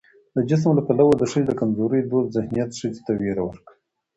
د جسم له پلوه د ښځې د کمزورۍ دود ذهنيت ښځې ته ويره ورکړې